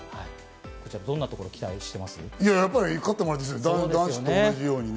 どんなところに期待しています？